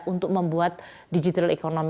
untuk membuat digital economy